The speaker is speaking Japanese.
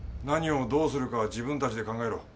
何をどうするかは自分たちで考えろ。